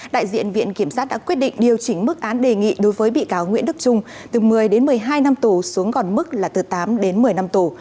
đại diện viện kiểm sát đã quyết định điều chỉnh mức án đề nghị đối với bị cáo nguyễn đức trung từ một mươi đến một mươi hai năm tù xuống còn mức là từ tám đến một mươi năm tù